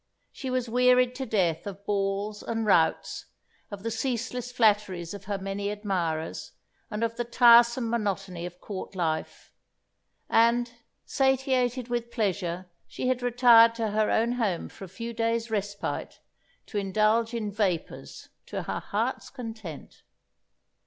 She was wearied to death of balls and routs, of the ceaseless flatteries of her many admirers, and of the tiresome monotony of Court life; and, satiated with pleasure, she had retired to her own home for a few days' respite, to indulge in vapours to her heart's content.